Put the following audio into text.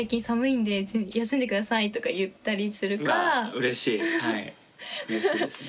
うれしいですね。